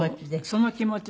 その気持ち。